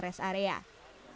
di belakang res area